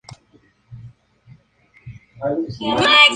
El programa es presentado por Roberto Manrique.